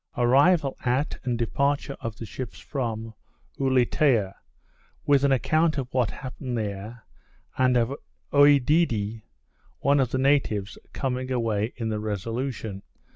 _Arrival at, and Departure of the Ships from, Ulietea: With an Account of what happened there, and of Oedidee, one of the Natives, coming away in the Resolution.